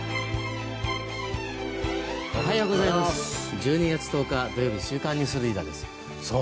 １２月１０日、土曜日「週刊ニュースリーダー」です。